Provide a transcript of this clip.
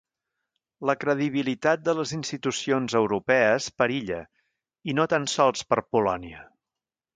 La credibilitat de les institucions europees perilla, i no tan sols per Polònia.